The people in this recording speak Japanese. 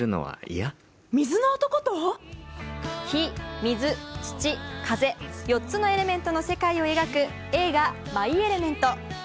火・水・土・風、４つのエレメントの世界を描く映画「マイ・エレメント」。